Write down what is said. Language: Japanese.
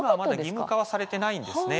義務化はされていないんです。